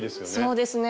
そうですね。